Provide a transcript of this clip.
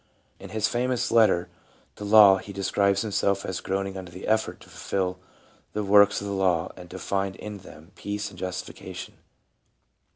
In his famous letter to Law he describes himself as groaning under the effort to fulfill the works of the law and to find in them peace and justification.